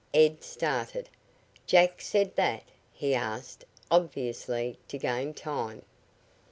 Ed started. "Jack said that?" he asked, obviously to gain time.